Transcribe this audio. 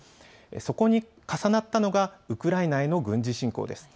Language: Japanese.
そこに重なったのがウクライナへの軍事侵攻です。